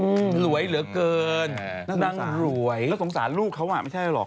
หลวยเหลือเกินนางรวยแล้วสงสารลูกเขาอ่ะไม่ใช่หรอก